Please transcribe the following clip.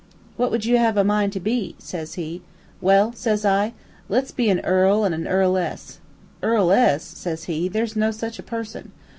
"'What would you have a mind to be?' says he. "'Well,' says I, 'let's be an earl an' a earl ess.' "'Earl ess'? says he, 'there's no such a person.'